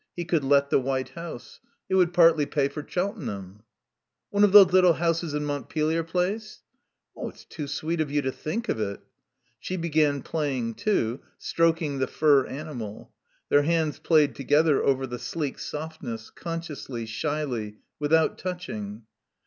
He could let the White House. It would partly pay for Cheltenham.) "One of those little houses in Montpelier Place?" "It's too sweet of you to think of it." She began playing too, stroking the fur animal; their hands played together over the sleek softness, consciously, shyly, without touching.